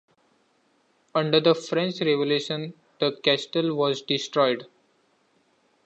Under the French Revolution, the castle was destroyed.